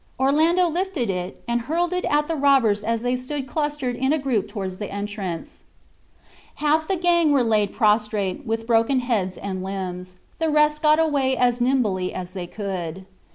Orlando lifted it and hurled it at the robbers as they stood clustered in a group toward the entrance. Half the gang were laid prostrate, with broken heads and limbs; the rest got away as nimbly as they could.